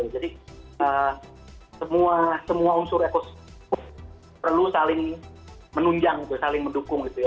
jadi semua unsur ekosistem perlu saling menunjang saling mendukung gitu ya